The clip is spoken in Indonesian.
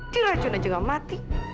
diracun aja nggak mati